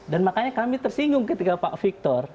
dan makanya kami tersinggung ketika pak victor